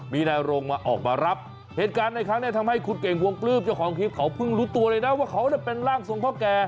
มีนายโรงมาออกมารับเหตุการณ์ในครั้งนี้ทำให้คุณเก่งวงปลื้มเจ้าของคลิปเขาเพิ่งรู้ตัวเลยนะว่าเขาเป็นร่างทรงพ่อแก่